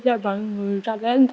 thay mà người ta tỉnh thức